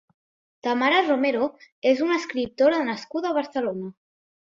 Tamara Romero és una escriptora nascuda a Barcelona.